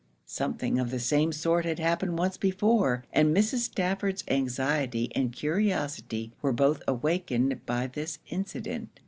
Something of the same sort had happened once before, and Mrs. Stafford's anxiety and curiosity were both awakened by this incident.